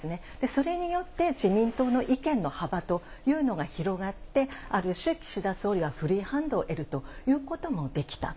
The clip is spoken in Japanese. それによって、自民党の意見の幅というのが広がって、ある種、岸田総理はフリーハンドを得るということもできた。